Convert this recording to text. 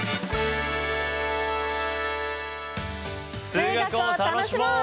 数学を楽しもう！